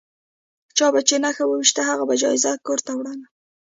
چا به چې نښه وویشته هغه به جایزه کور ته وړله.